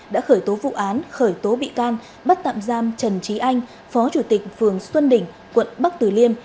đã khởi tố vụ án khởi tố bị can bắt tạm giam trần trí anh phó chủ tịch phường xuân đỉnh quận bắc tử liêm